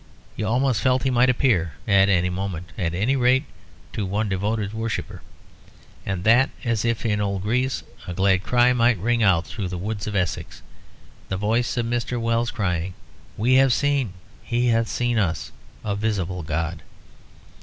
You almost felt he might appear at any moment, at any rate to his one devoted worshipper; and that, as if in old Greece, a glad cry might ring through the woods of Essex, the voice of Mr. Wells crying, "We have seen, he hath seen us, a visible God."